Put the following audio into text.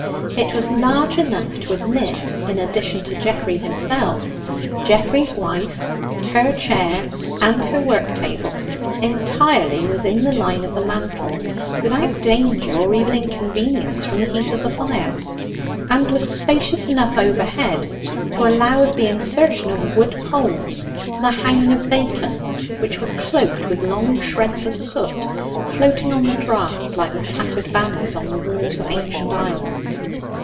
It was large enough to admit, in addition to Geoffrey himself, Geoffrey's wife, her chair, and her work table, entirely within the line of the mantel, without danger or even inconvenience from the heat of the fire; and was spacious enough overhead to allow of the insertion of wood poles for the hanging of bacon, which were cloaked with long shreds of soot, floating on the draught like the tattered banners on the walls of ancient aisles.